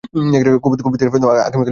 কপোত-কপোতিরা আগামিকালই যেতে পারবে।